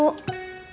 lo gak tau